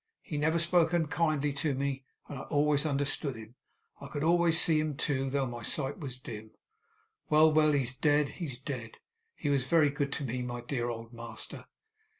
He never spoke unkindly to me, and I always understood him. I could always see him too, though my sight was dim. Well, well! He's dead, he's dead. He was very good to me, my dear old master!